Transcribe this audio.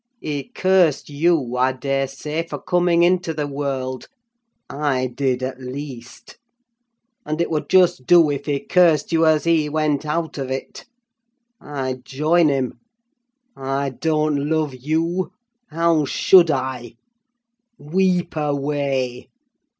He cursed you, I dare say, for coming into the world (I did, at least); and it would just do if he cursed you as he went out of it. I'd join him. I don't love you! How should I? Weep away.